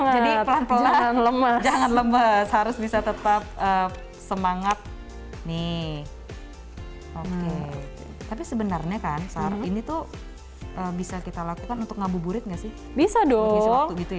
jadi pelan pelan jangan lemas harus bisa tetap semangat nih oke tapi sebenarnya kan ini tuh bisa kita lakukan untuk ngabuburit gak sih bisa dong